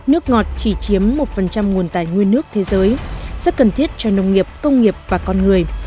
nước ngọt chỉ chiếm một nguồn tài nguyên nước thế giới rất cần thiết cho nông nghiệp công nghiệp và con người